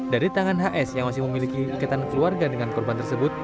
dari tangan hs yang masih memiliki ikatan keluarga dengan korban tersebut